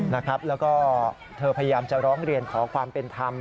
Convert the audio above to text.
แล้วก็เธอพยายามจะร้องเรียนขอความเป็นธรรม